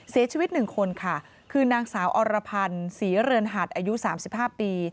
เสียชีวิต๑คนค่ะคือนางสาวอรพันธ์ศรีเรือนหัดอายุ๓๕ปี